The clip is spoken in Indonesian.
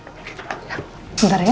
ya bentar ya